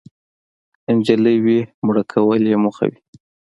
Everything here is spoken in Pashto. که انجلۍ وي، میړه کول یې موخه وي.